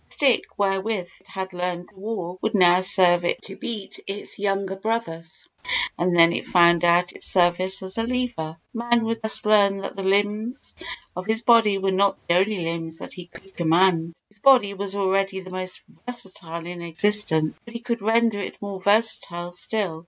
The stick wherewith it had learned to walk would now serve it to beat its younger brothers and then it found out its service as a lever. Man would thus learn that the limbs of his body were not the only limbs that he could command. His body was already the most versatile in existence, but he could render it more versatile still.